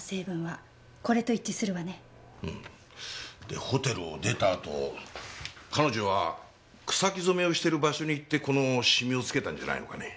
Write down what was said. でホテルを出たあと彼女は草木染めをしてる場所に行ってこのシミを付けたんじゃないのかね。